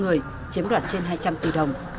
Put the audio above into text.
ba trăm linh người chiếm đoạt trên hai trăm linh triệu đồng